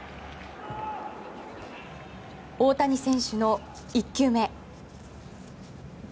大谷選手の１球目。